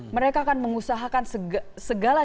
mereka akan mengusahakan segala